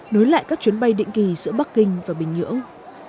nối lại các chuyến bay định kỳ giữa bắc kinh và bình nhưỡng